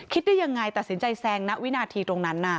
คิดได้ยังไงตัดสินใจแซงณวินาทีตรงนั้นน่ะ